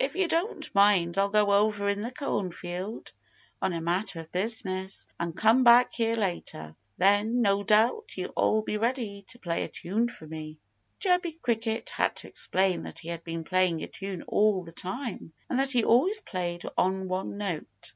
So if you don't mind I'll go over in the cornfield on a matter of business and come back here later. Then, no doubt, you'll be all ready to play a tune for me." Chirpy Cricket had to explain that he had been playing a tune all the time that he always played on one note.